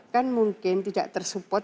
kan mungkin tidak tersupport